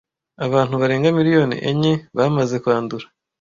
Abantu barenga miliyoni enye bamaze kwandura.